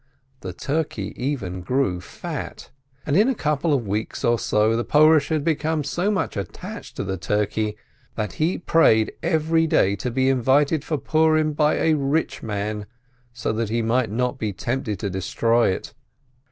The turkey even grew fat. And in a couple of weeks or so the Porush had become so much attached to the turkey that he prayed every day to be invited for Purim by a rich man, so that he might not be tempted to destroy it.